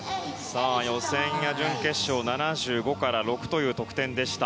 予選や準決勝７５から７６という得点でした。